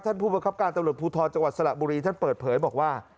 ผู้ประคับการตำรวจภูทรจังหวัดสระบุรีท่านเปิดเผยบอกว่า